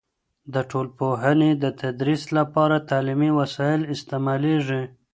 د ټولنپوهنې د تدریس لپاره تعلیمي وسایل استعمالیږي.